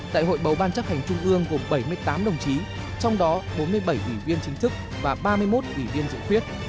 đại hội bầu ban chấp hành trung ương gồm bảy mươi tám đồng chí trong đó bốn mươi bảy ủy viên chính thức và ba mươi một ủy viên dự khuyết